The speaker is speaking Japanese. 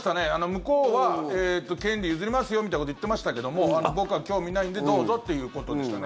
向こうは、権利譲りますよみたいなこと言ってましたけども僕は興味ないんでどうぞっていうことでしたね。